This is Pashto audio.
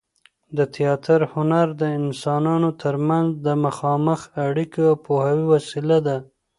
د تياتر هنر د انسانانو تر منځ د مخامخ اړیکې او پوهاوي وسیله ده.